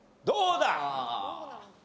どうだ？